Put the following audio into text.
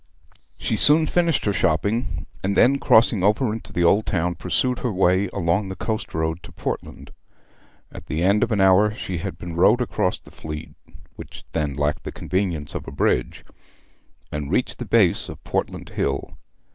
She soon finished her shopping, and then, crossing over into the old town, pursued her way along the coast road to Portland. At the end of an hour she had been rowed across the Fleet (which then lacked the convenience of a bridge), and reached the base of Portland Hill.